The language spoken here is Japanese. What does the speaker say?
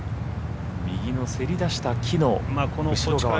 右のせり出した木の後ろ側。